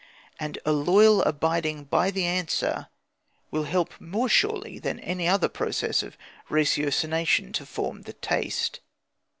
and a loyal abiding by the answer, will help more surely than any other process of ratiocination to form the taste.